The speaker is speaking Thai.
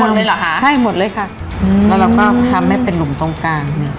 เลยเหรอคะใช่หมดเลยค่ะอืมแล้วเราก็ทำให้เป็นหลุมตรงกลาง